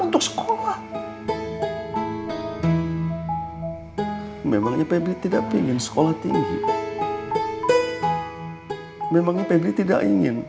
untuk sekolah memangnya peblik tidak pingin sekolah tinggi memangnya peblik tidak ingin